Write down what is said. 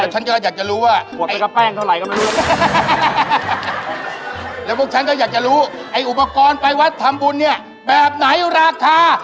ใช่แล้วฉันก็อยากจะรู้ว่าอุปกรณ์ไปวัดทำบุญเนี่ยแบบไหนราคา